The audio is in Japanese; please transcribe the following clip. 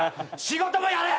仕事もやれ！